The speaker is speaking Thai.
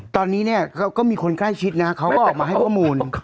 ตอนนี้เนี่ยเขาก็มีคนใกล้ชิดนะเขาก็ออกมาให้ข้อมูล